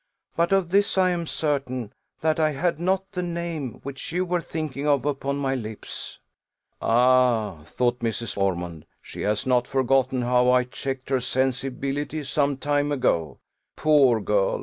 "But of this I am certain, that I had not the name, which you were thinking of, upon my lips." Ah! thought Mrs. Ormond, she has not forgotten how I checked her sensibility some time ago. Poor girl!